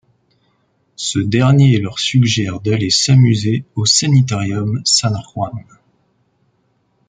Ce dernier leur suggère d'aller s'amuser au Sanitarium San Juan.